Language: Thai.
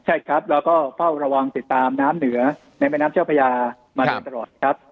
ใช่ครับเราก็เฝ้าระวังติดตามน้ำเหนือในแม่น้ำเจ้าพระยามาโดยตลอดครับ